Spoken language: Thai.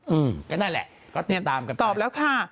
อืมก็ได้แหละติดตามกันไปตอบแล้วค่ะ